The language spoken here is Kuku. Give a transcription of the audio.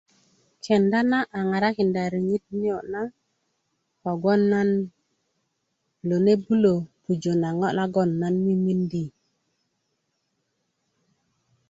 kenda a ŋarakinda riŋit niyona kogon nan bulönibulö pujö ŋo nagon nan mimiindi